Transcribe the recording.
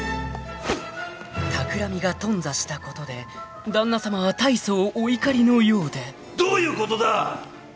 ［たくらみが頓挫したことで旦那さまは大層お怒りのようで］どういうことだ！